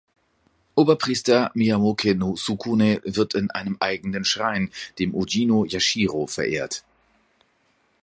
Oberpriester, Miyamoke-no-sukune, wird in einem eigenen Schrein, dem "Ujino-yashiro", verehrt.